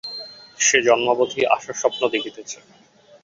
সে জন্মাবধি আশার স্বপ্ন দেখিতেছে।